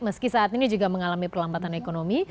meski saat ini juga mengalami perlambatan ekonomi